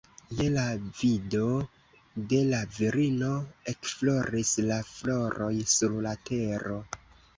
Je la vido de la virino ekfloris la floroj sur la tero